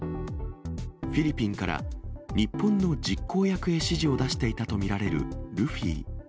フィリピンから日本の実行役へ指示を出していたと見られるルフィ。